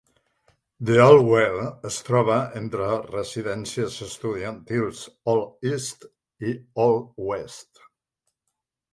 The Old Well es troba entre les residències estudiantils Old East i Old West.